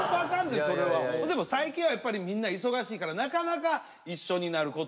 でも最近はやっぱりみんな忙しいからなかなか一緒になることは少ないか？